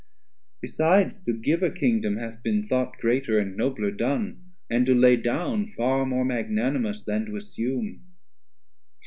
480 Besides to give a Kingdom hath been thought Greater and nobler done, and to lay down Far more magnanimous, then to assume.